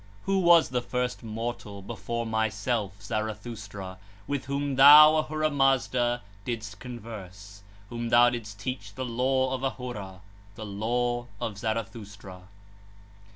Who was the first mortal, before myself, Zarathustra, with whom thou, Ahura Mazda, didst converse 1, whom thou didst teach the law of Ahura, the law of Zarathustra?